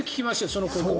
その国名。